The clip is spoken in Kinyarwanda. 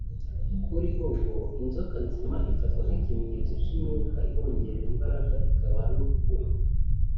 kuri bo inzoka nzima ifatwa nk’ikimenyetso cy’imyuka ibongerera imbaraga ikabaha no gukundwa